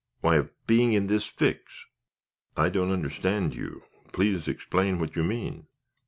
"Why, of being in this fix." "I don't understand you. Please explain what you mean."